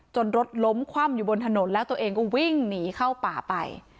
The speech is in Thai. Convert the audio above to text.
รถล้มคว่ำอยู่บนถนนแล้วตัวเองก็วิ่งหนีเข้าป่าไป